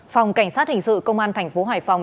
phòng cảnh sát hình sự công an tp hải phòng